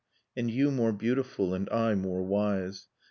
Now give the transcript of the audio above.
And you more beautiful, and I more wise.